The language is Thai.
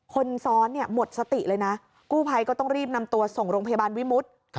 คนซ้อนเนี่ยหมดสติเลยนะกู้ภัยก็ต้องรีบนำตัวส่งโรงพยาบาลวิมุติ